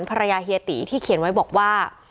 ภรรยาเฮียติที่เขียนไว้บอกว่า